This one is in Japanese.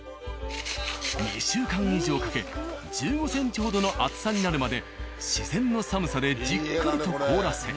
２週間以上かけ１５ｃｍほどの厚さになるまで自然の寒さでじっくりと凍らせ。